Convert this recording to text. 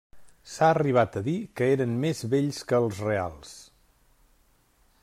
S'ha arribat a dir que eren més bells que els reals.